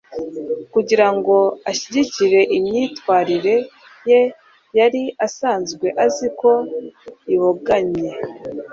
kugira ngo ashyigikire imyitwarire ye yari asanzwe azi ko iboganye.